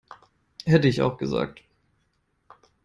Hätte ich auch gesagt.